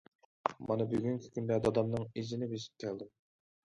مانا بۈگۈنكى كۈندە دادامنىڭ ئىزىنى بېسىپ كەلدىم.